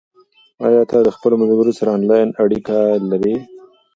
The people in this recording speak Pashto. آیا ته له خپلو ملګرو سره آنلاین اړیکه لرې؟